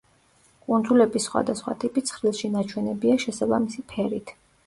კუნძულების სხვადასხვა ტიპი ცხრილში ნაჩვენებია შესაბამისი ფერით.